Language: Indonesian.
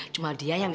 cuma dia yang ngasih